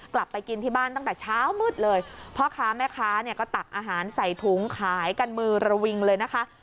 กลับไปกินที่บ้านตั้งแต่เช้ามืดเลยพ่อค้าแม่ค้าเนี่ยก็ตักอาหารใส่ถุงขายกันมือระวิงเลยนะคะ